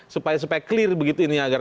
supaya clear begitu ini agar